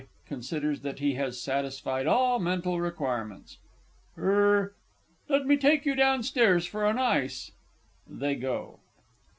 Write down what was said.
(Considers that he has satisfied all mental requirements.) Er let me take you down stairs for an ice. [_They go.